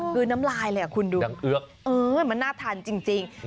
คือน้ำลายเลยอ่ะคุณดูมันน่าทานจริง